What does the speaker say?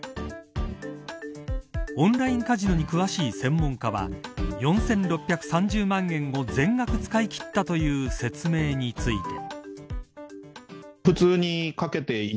オンラインカジノに詳しい専門家は４６３０万円を全額使い切ったという説明について。